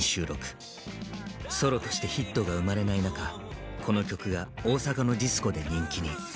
ソロとしてヒットが生まれない中この曲が大阪のディスコで人気に。